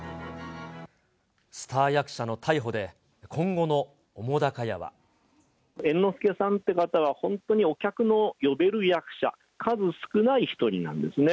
スター役者の逮捕で、今後の澤瀉猿之助さんって方は、本当にお客の呼べる役者、数少ない一人なんですね。